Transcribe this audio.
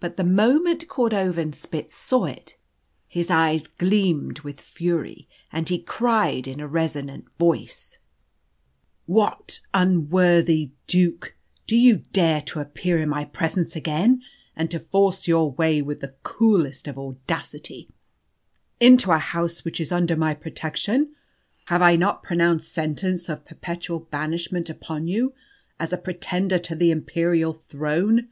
But the moment Cordovanspitz saw it his eves gleamed with fury, and he cried in a resonant voice "What, unworthy duke, do you dare to appear in my presence again, and to force your way, with the coolest of audacity, into a house which is under my protection? Have I not pronounced sentence of perpetual banishment upon you as a pretender to the imperial throne?